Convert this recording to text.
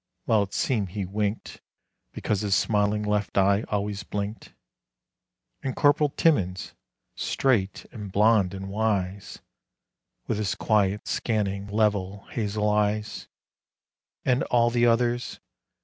(while it seemed he winked Because his smiling left eye always blinked) And Corporal Timmins, straight and blonde and wise, With his quiet scanning, level, hazel eyes; And all the others